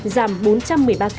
giảm bốn trăm một mươi ba ca